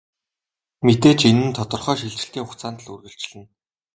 Мэдээж энэ нь тодорхой шилжилтийн хугацаанд л үргэлжилнэ.